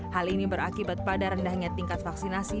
hal ini berakibat pada rendahnya tingkat vaksinasi